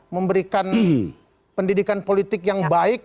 memberikan pendidikan politik yang baik